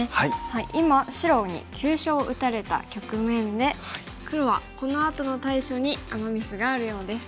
今白に急所を打たれた局面で黒はこのあとの対処にアマ・ミスがあるようです。